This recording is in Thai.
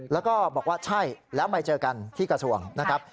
แล้วก็บอกว่าใช่แล้วมาเจอกันที่กระทรวงนะครับ